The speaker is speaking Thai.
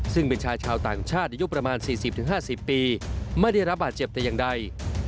ซึ่งเป็นชายชาวต่างชาติอายุประมาณ๔๐๕๐ปีไม่ได้รับบาดเจ็บแต่อย่างใด